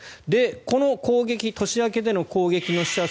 この年明けでの攻撃の死者数